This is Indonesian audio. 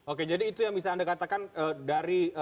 oke jadi itu yang bisa anda katakan dari